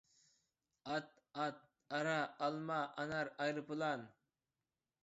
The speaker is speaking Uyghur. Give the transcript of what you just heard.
ئات، ئاي، ئارا، ئالما، ئانار، ئايروپىلان.